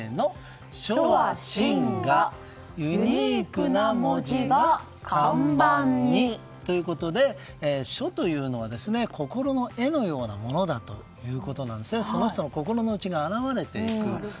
「書は心画ユニークな文字が看板に」。ということで、書というのは心の絵のようなものだということでその人の心の内が表れていく。